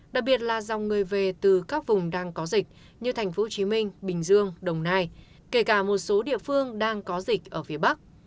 đặc biệt là dòng người về từ các vùng đang có dịch như tp hcm bình dương đồng nai kể cả một số địa phương đang có dịch ở phía bắc